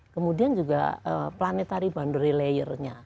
kemudian juga planetary boundary layer nya